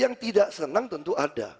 yang tidak senang tentu ada